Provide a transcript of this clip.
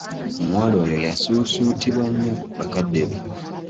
Omuwala oyo yasuusuutibwa nnyo bakadde be.